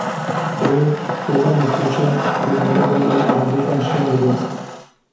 Rê, kolan û kuçe bi merivan û erebokan şên dibe.